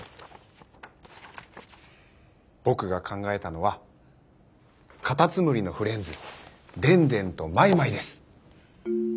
僕が考えたのはかたつむりのフレンズでんでんとマイマイです。